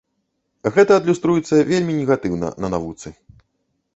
Гэта адлюструецца вельмі негатыўна на навуцы.